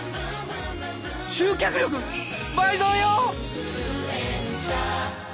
集客力倍増よ！